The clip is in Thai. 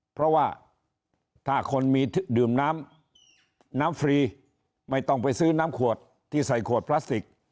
เพราะว่าถ้าคนมีดื่มน้ำน้ำฟรีไม่ต้องไปซื้อน้ำขวดที่ใส่ขวดพลาสติก